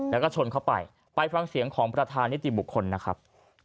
แล้วก็ชนเข้าไปไปฟังเสียงของประธานนิติบุคคลนะครับ